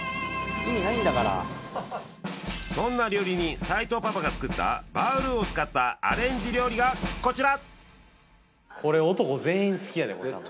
そんな料理人斎藤パパが作ったバウルーを使ったアレンジ料理がこちら！